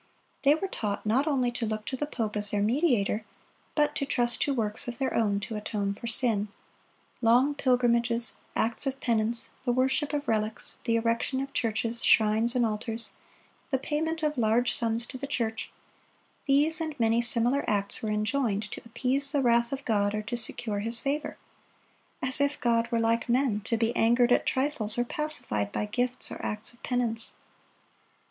They were taught not only to look to the pope as their mediator, but to trust to works of their own to atone for sin. Long pilgrimages, acts of penance, the worship of relics, the erection of churches, shrines, and altars, the payment of large sums to the church,—these and many similar acts were enjoined to appease the wrath of God or to secure His favor; as if God were like men, to be angered at trifles, or pacified by gifts or acts of penance!